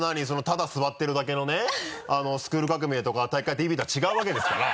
ただ座ってるだけのね「スクール革命！」とか「体育会ＴＶ」とは違うわけですから。